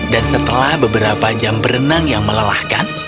dan setelah beberapa jam berenang yang melelahkan